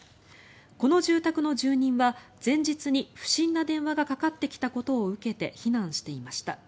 この住宅の住人は前日に不審な電話がかかってきたことを受けて避難していました。